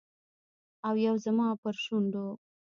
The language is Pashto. او یو زما پر شونډو